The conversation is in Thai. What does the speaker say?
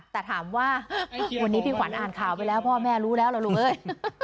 แต่ถามว่าวันนี้พี่ขวัญอ่านข่าวไปแล้วพ่อแม่รู้แล้วล่ะลูกเอ้ย